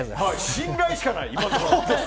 信頼しかない。